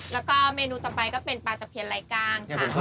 แล้วก็เมนูต่อไปก็เป็นปลาตะเพียนไร้กล้างค่ะ